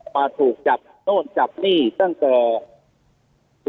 มาถูกจับโน่นจับนี่ตั้งแต่